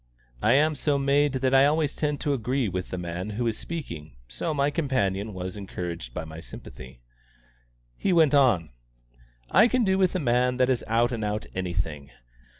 I am so made that I always tend to agree with the man who is speaking, so my companion was encouraged by my sympathy. He went on: "I can do with a man that is out and out anything.